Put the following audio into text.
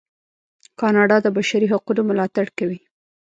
کاناډا د بشري حقونو ملاتړ کوي.